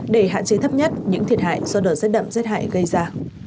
để hạn chế thấp nhất những thiệt hại do đợt rét đậm rét hại gây ra